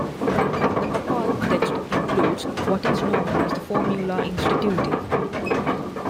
The papal text includes what is known as the "Formula Instituti".